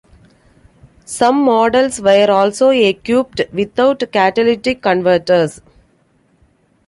Some models were also equipped without catalytic converters.